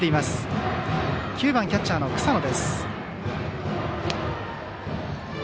打者は９番キャッチャーの草野。